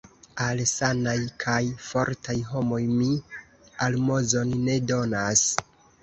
Al sanaj kaj fortaj homoj mi almozon ne donas.